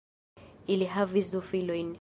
Ili havis du filojn.